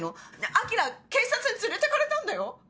あきら警察に連れてかれたんだよ。